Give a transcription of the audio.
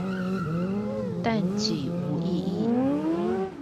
但己無意義